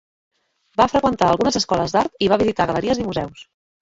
Va freqüentar algunes escoles d'art i va visitar galeries i museus.